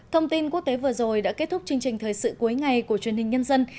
thông tin quốc tế vừa rồi đã kết thúc chương trình thời sự cuối ngày của truyền hình nhân dân